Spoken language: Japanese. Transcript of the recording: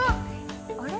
あれ？